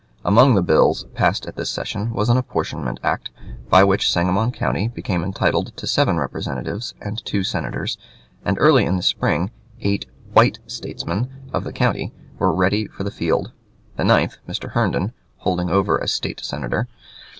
Among the bills passed at this session was an Apportionment act, by which Sangamon County became entitled to seven representatives and two senators, and early in the spring eight "White" statesmen of the county were ready for the field the ninth, Mr. Herndon, holding over as State Senator.